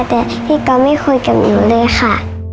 แต่พี่ก๊อฟไม่คุยกับอิ๋วเลยค่ะ